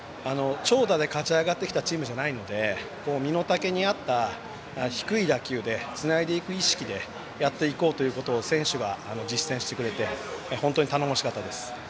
長打で勝ち上がってきたチームじゃないので身の丈に合った低い野球でつないでいく意識でやっていこうということを選手が実践してくれて本当に頼もしかったです。